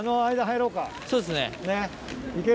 そうですね。